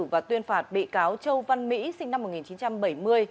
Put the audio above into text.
và tuyên phạt bị cáo châu văn mỹ sinh năm một nghìn chín trăm bảy mươi